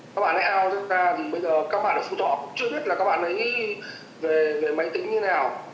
các bạn ấy out ra thì bây giờ các bạn ở phú thọ cũng chưa biết là các bạn ấy về máy tính như nào